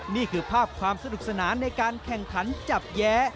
นี่คือภาพความสนุกสนานในการแข่งขันจับแย้